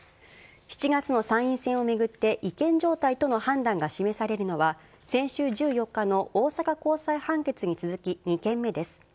７月の参院選を巡って、違憲状態との判断が示されるのは、先週１４日の大阪高裁判決に続き、２件目です。